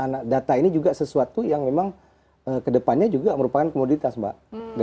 nah data ini juga sesuatu yang memang kedepannya juga merupakan komoditas mbak